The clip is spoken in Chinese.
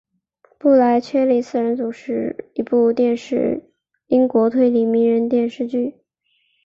布莱切利四人组是一部电视英国推理迷你电视剧。